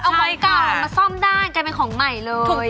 เอาของเก่ามาซ่อมได้กลายเป็นของใหม่เลย